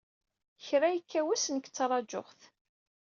Kra yekka wass nekk ttṛajuɣ-t.